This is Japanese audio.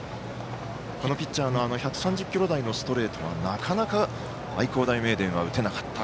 このピッチャーの１３０キロ台のストレートは、なかなか愛工大名電は打てなかった。